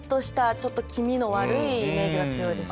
ちょっと気味の悪いイメージが強いですね。